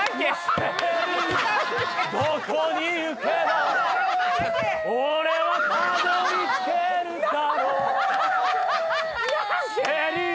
どこに行けば俺はたどりつけるだろうシェリー